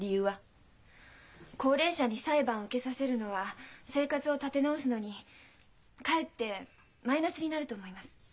高齢者に裁判を受けさせるのは生活を立て直すのにかえってマイナスになると思います。